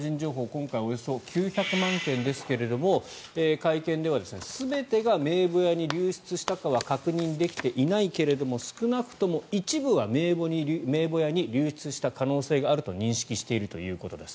今回およそ９００万件ですが会見では全てが名簿屋に流出したかは確認できていないけど少なくとも一部は名簿屋に流出した可能性があると認識しているということです。